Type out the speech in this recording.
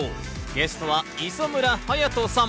ゲストは磯村勇斗さん。